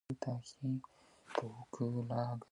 A yiʼi nagge haa laawol.